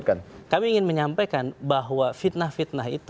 dan kami ingin menyampaikan bahwa fitnah fitnah